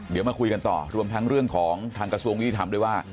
เดี๋ยวมาคุยกันต่อรวมทั้งเรื่องของทางกระทรวงยุติธรรมด้วยว่า